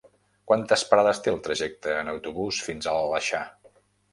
Quantes parades té el trajecte en autobús fins a l'Aleixar?